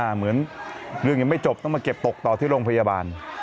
เหมือนเรื่องยังไม่จบต้องมาเก็บตกต่อที่โรงพยาบาล